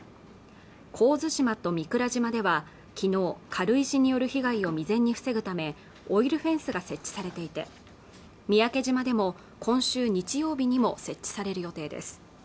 神津島と御蔵島ではきのう軽石による被害を未然に防ぐためオイルフェンスが設置されていて三宅島でも今週日曜日にも設置される予定です